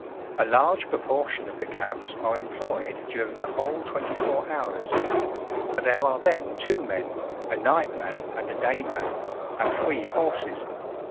A large proportion of the cabs are employed during the whole 24 hours; but there are then two men, a night man and a day man, and three horses.